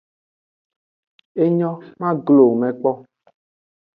Enyo, ma glo wo me kpo.